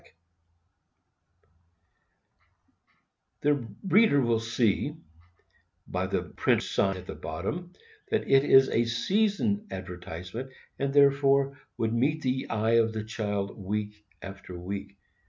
_ 1tf The reader will see, by the printer's sign at the bottom, that it is a season advertisement, and, therefore, would meet the eye of the child week after week.